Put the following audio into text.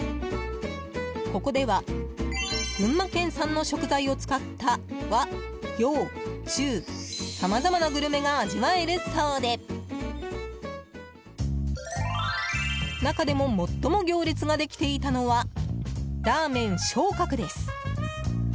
ここでは群馬県産の食材を使った和洋中さまざまなグルメが味わえるそうで中でも最も行列ができていたのはらーめん翔鶴です。